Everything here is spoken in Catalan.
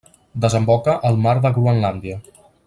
Desemboca al mar de Groenlàndia.